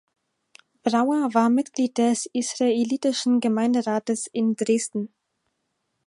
Brauer war Mitglied des israelitischen Gemeinderates in Dresden.